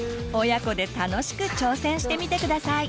親子で楽しく挑戦してみて下さい！